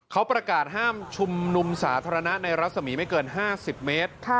เขาประกาศห้ามชุมนุมสาธารณะในรัศมีไม่เกิน๕๐เมตร